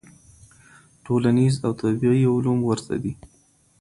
ټولنيز او طبيعي علوم ورته دي.